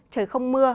trời không mưa